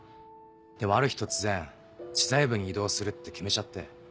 でもある日突然知財部に異動するって決めちゃって。